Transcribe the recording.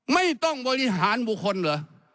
ไม่ต้องบริหารบุคคลเหรอ